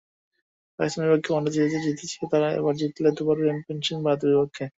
পাকিস্তানের বিপক্ষে one day series জিতেছে তারা, এবার জিতল দুবারের বিশ্বচ্যাম্পিয়ন ভারতের বিপক্ষে।